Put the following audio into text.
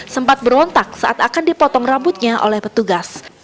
sempat berontak saat akan dipotong rambutnya oleh petugas